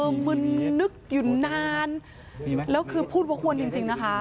มึนนึกอยู่นานแล้วคือพูดวกวนจริงจริงนะคะ